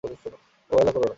অবহেলা কোরো না।